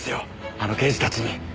あの刑事たちに。